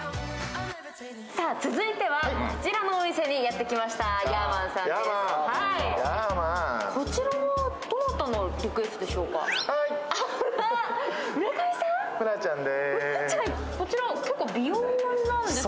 続いてはこちらのお店にやってきました、ヤーマンさんです。